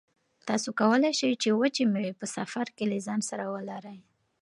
تاسو کولای شئ چې وچې مېوې په سفر کې له ځان سره ولرئ.